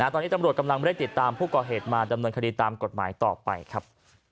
ตอนนี้ตำรวจกำลังไม่ได้ติดตามผู้ก่อเหตุมาดำเนินคดีตามกฎหมายต่อไปครับ